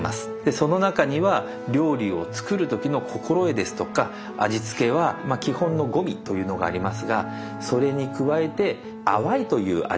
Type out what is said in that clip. その中には料理を作る時の心得ですとか味付けは基本の五味というのがありますがそれに加えて淡いという味